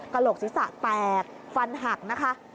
กระหลกศิษฐะแตกฟันหักนะคะ